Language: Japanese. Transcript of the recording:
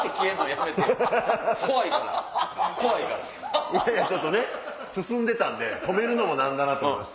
いやいやちょっと進んでたんで止めるのも何だなと思いまして。